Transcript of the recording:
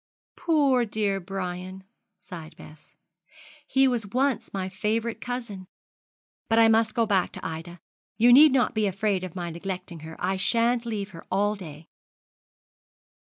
'Poor dear Brian!' sighed Bess. 'He was once my favourite cousin. But I must go back to Ida. You need not be afraid of my neglecting her. I shan't leave her all day.'